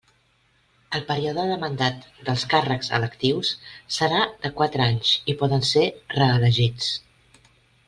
El període de mandat dels càrrecs electius serà de quatre anys i poden ser reelegits.